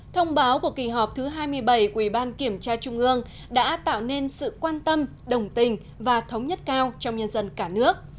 thông báo của kỳ họp thứ hai mươi bảy của ủy ban kiểm tra trung ương đã tạo nên sự quan tâm đồng tình và thống nhất cao trong nhân dân cả nước